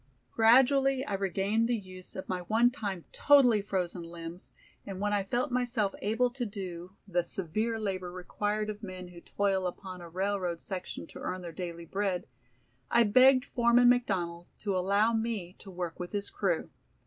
Gradually I regained the use of my one time totally frozen limbs, and when I felt myself able to do the severe labor required of men who toil upon a railroad section to earn their daily bread, I begged Foreman McDonald to allow me to work with his crew.